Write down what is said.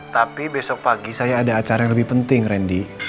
tapi besok pagi saya ada acara yang lebih penting randy